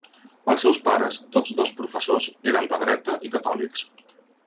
Els seus pares, tots dos professors, eren de dreta i catòlics.